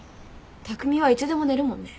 匠はいつでも寝るもんね。